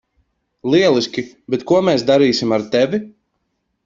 Lieliski, bet ko mēs darīsim ar tevi?